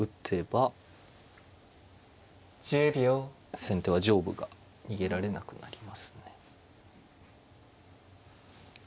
先手は上部が逃げられなくなりますね。